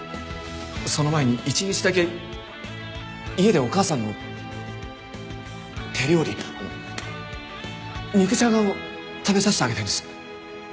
その前に一日だけ家でお母さんの手料理あの肉じゃがを食べさせてあげたいんです。